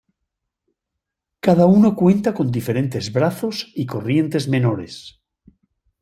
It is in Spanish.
Cada uno cuenta con diferentes brazos y corrientes menores.